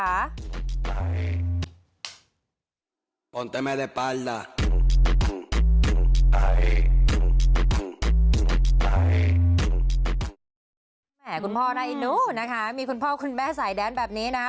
คุณพ่อน่าเอ็นดูนะคะมีคุณพ่อคุณแม่สายแดนแบบนี้นะคะ